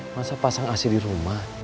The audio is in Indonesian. masa pasang asi di rumah